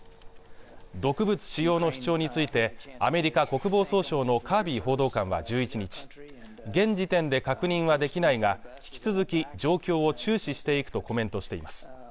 毒物使用の主張についてアメリカ国防総省のカービー報道官は１１日現時点で確認はできないが引き続き状況を注視していくとコメントしています